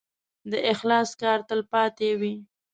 د اخلاص کار تل پاتې وي.